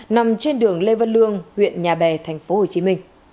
nằm trên đường lê văn lương huyện nhà bè tp hcm